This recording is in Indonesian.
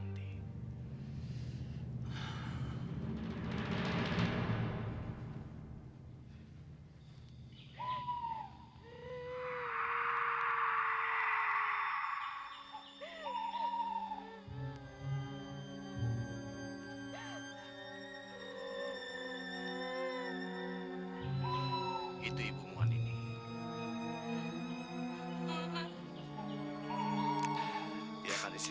untuk menyeberang franklin